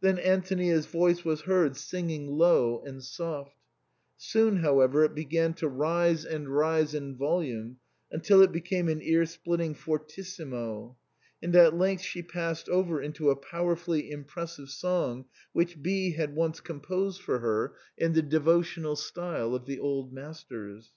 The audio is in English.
Then Antonia's voice was heard singing low and soft ; soon, however, it began to rise and rise in volume until it became an ear splitting fortissimo ; and at length she passed over into a power fully impressive song which B had once composed for her in the devotional style of the old masters.